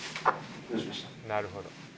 「なるほど」